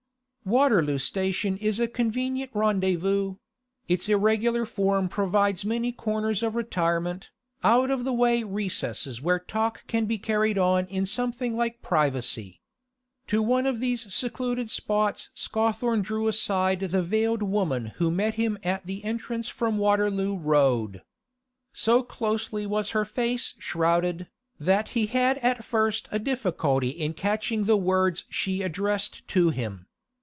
'? Waterloo Station is a convenient rendezvous; its irregular form provides many corners of retirement, out of the way recesses where talk can be carried on in something like privacy. To one of these secluded spots Scawthorne drew aside with the veiled woman who met him at the entrance from Waterloo Road. So closely was her face shrouded, that he had at first a difficulty in catching the words she addressed to him.